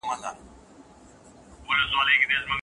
ددي جمهوريتونو دصدر او بي وزلي ملت او دولتي مامورينو تر منځ